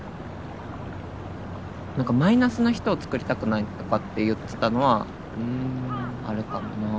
なんかマイナスの人をつくりたくないとかって言ってたのはあるかもなあ。